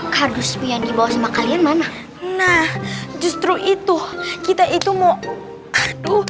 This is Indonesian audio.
kardus yang dibawa sama kalian mana nah justru itu kita itu mau aduh